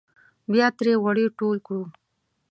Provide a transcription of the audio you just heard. بیا ترې غوړي ټول کړو.